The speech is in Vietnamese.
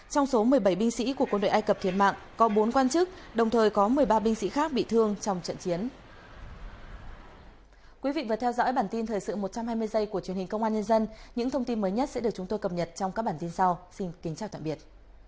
trong số một mươi bảy binh sĩ của quân đội ai cập thiệt mạng có bốn quan chức đồng thời có một mươi ba binh sĩ khác bị thương trong trận chiến